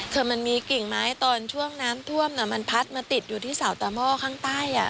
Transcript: คือมันมีกิ่งไม้ตอนช่วงน้ำท่วมมันพัดมาติดอยู่ที่เสาตาหม้อข้างใต้